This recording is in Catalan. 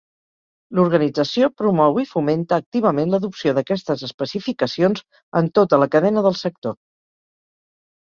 L'organització promou i fomenta activament l'adopció d'aquestes especificacions en tota la cadena del sector.